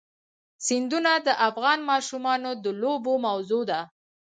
سیندونه د افغان ماشومانو د لوبو موضوع ده.